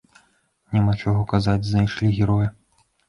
Няма чаго казаць, знайшлі героя!